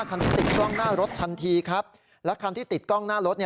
คันนี้ติดกล้องหน้ารถทันทีครับและคันที่ติดกล้องหน้ารถเนี่ย